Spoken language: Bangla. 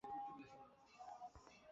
আমরা এত অলস যে, নিজেরা কিছুই করিতে চাই না।